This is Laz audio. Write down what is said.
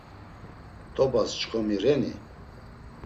T̆obas çxomi reni?